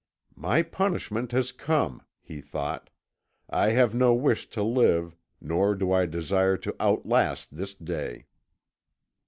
"My punishment has come," he thought. "I have no wish to live, nor do I desire to outlast this day."